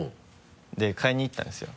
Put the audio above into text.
で買いに行ったんですよ。